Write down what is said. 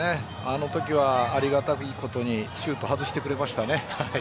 あのときは、ありがたいことにシュートを外してくれましたね。